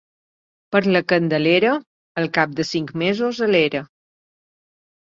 Per la Candelera, al cap de cinc mesos a l'era.